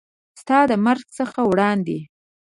ستا د مرګ څخه وړاندې